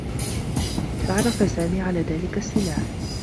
تعرّف سامي على ذلك السّلاح.